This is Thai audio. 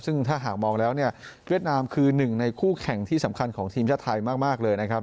ซึ่งถ้าหากมองแล้วเนี่ยเวียดนามคือหนึ่งในคู่แข่งที่สำคัญของทีมชาติไทยมากเลยนะครับ